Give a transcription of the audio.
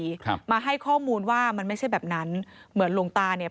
ครับมาให้ข้อมูลว่ามันไม่ใช่แบบนั้นเหมือนหลวงตาเนี่ย